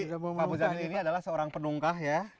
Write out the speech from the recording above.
jadi pak buzamil ini adalah seorang penungkah ya